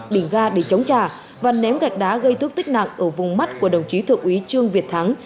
bình ga để chống trả và ném gạch đá gây thuốc tích nặng ở vùng mắt của đồng chí thượng úy trương việt thắng